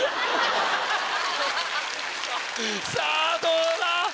さぁどうだ